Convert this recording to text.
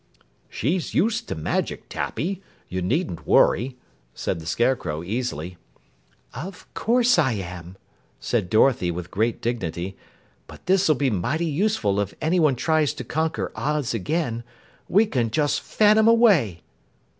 "She's used to magic, Tappy. You needn't worry," said the Scarecrow easily. "Of course I am," said Dorothy with great dignity. "But this'll be mighty useful if anyone tries to conquer Oz again. We can just fan 'em away."